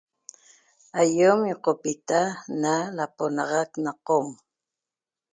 Aýem ñiqopita na laponaxac na Qom